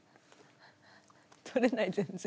取れない全然。